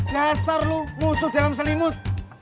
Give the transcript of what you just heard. dasar lu musuh dalam selimut